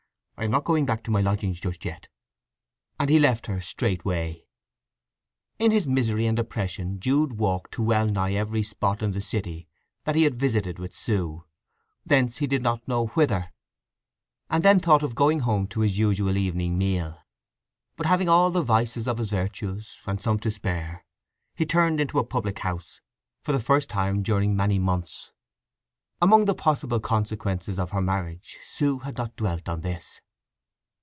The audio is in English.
I am not going back to my lodgings just yet." And he left her straightway. In his misery and depression Jude walked to well nigh every spot in the city that he had visited with Sue; thence he did not know whither, and then thought of going home to his usual evening meal. But having all the vices of his virtues, and some to spare, he turned into a public house, for the first time during many months. Among the possible consequences of her marriage Sue had not dwelt on this.